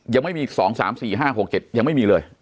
ยังไม่มีสองสามสี่ห้าหกเจ็ดยังไม่มีเลย